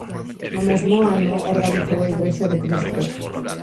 No mesmo ano organizou a Igrexa de Cristo.